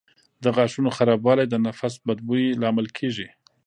د غاښونو خرابوالی د نفس بد بوی لامل کېږي.